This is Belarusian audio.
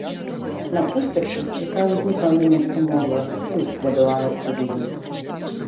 На пустэчы, якая ўзнікла на месцы могілак, і быў пабудаваны стадыён.